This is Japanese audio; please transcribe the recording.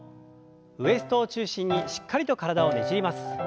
ウエストを中心にしっかりと体をねじります。